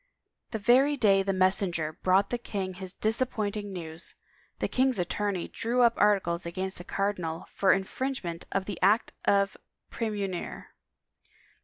The very day the messenger brought the king his disappointing news, the king's attorney drew up articles against the cardinal for infringement of the Act of Praemunire.